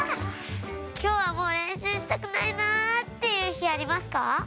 今日はもう練習したくないなっていう日はありますか？